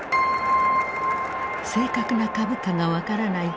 正確な株価が分からない